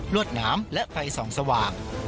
รวดน้ำและไฟส่องสว่าง